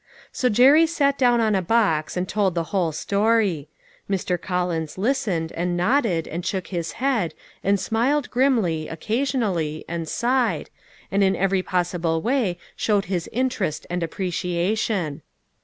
So Jerry sat down on a box and told the whole story. Mr. Collins listened, and nodded, and shook his head, and smiled grimly, occasion ally, and sighed, and in every possible way showed his interest and appreciation.